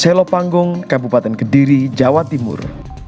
selopanggung kabupaten kediri jawa timur